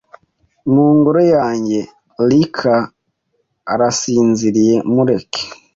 Mu ngoro yanjye Lyca arasinziriye mureke